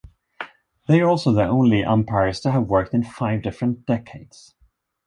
They are also the only umpires to have worked in five different decades.